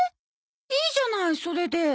いいじゃないそれで。